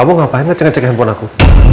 kamu ngapain gak cek cek handphone aku